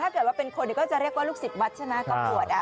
ถ้าเกิดว่าเป็นคนก็จะเรียกว่าลูกศิษย์วัดใช่ไหมก็บวช